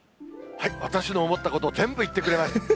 私の思ったことを全部言ってくれました。